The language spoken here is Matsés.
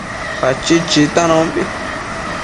Pachid chictanombi